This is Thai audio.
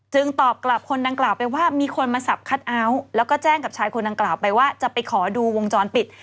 ตอบกลับคนดังกล่าวไปว่ามีคนมาสับคัทเอาท์แล้วก็แจ้งกับชายคนดังกล่าวไปว่าจะไปขอดูวงจรปิด